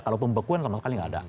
kalau pembekuan sama sekali nggak ada